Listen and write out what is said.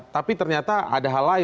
tapi ternyata ada hal lain